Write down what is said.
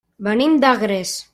Venim d'Agres.